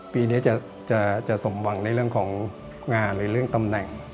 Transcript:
ปีนี้จะสมหวังในเรื่องของงานหรือเรื่องตำแหน่ง